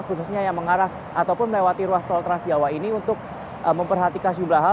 khususnya yang mengarah ataupun melewati ruas tol transjawa ini untuk memperhatikan jumlah hal